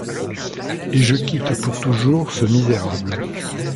Et je quitte pour toujours ce misérable.